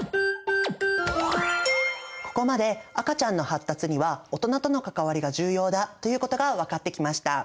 ここまで赤ちゃんの発達には大人との関わりが重要だということが分かってきました。